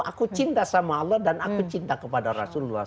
aku cinta sama allah dan aku cinta kepada rasulullah